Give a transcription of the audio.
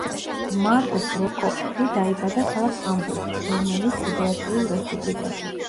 მარკუს გროსკოპფი დაიბადა ქალაქ ჰამბურგში, გერმანიის ფედერაციულ რესპუბლიკაში.